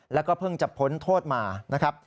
แล้วก็เพิ่งจะพ้นโทษมานะครับ